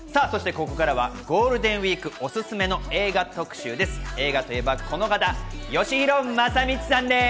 ここからはゴールデンウイークおすすめの映画特集です。